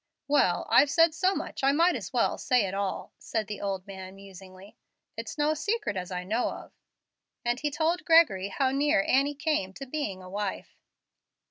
"Well, I've said so much I might as well say it all," said the old man, musingly. "It's no secret, as I knows of;" and he told Gregory how near Annie came to being a wife.